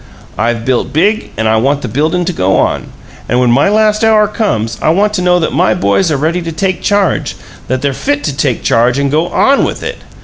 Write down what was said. I've built big, and I want the buildin' to go on. And when my last hour comes I want to know that my boys are ready to take charge; that they're fit to take charge and go ON with it.